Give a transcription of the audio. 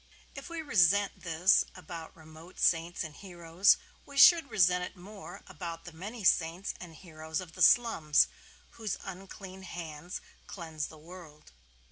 If we resent this about remote saints and heroes, we should resent it more about the many saints and heroes of the slums, whose unclean hands cleanse the world.